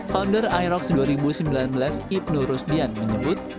founder irox dua ribu sembilan belas ibnu rusdian menyebut